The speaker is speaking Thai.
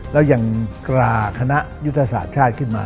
แล้วยังตราคณะยุทธศาสตร์ชาติขึ้นมา